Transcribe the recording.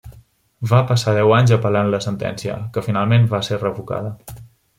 Va passar deu anys apel·lant la sentència, que finalment va ser revocada.